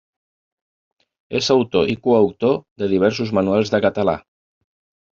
És autor i coautor de diversos manuals de català.